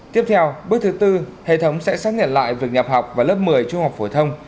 tiếp theo bước thứ tư hệ thống sẽ xác nhận lại việc nhập học vào lớp một mươi trung học phổ thông